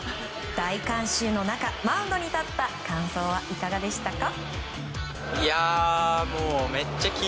大観衆の中、マウンドに立った感想はいかがでしたか？